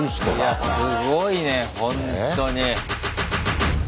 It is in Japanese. いやすごいねほんとに。